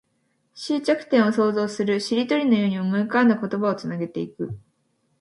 終着点を想像する。しりとりのように思い浮かんだ言葉をつなげていく。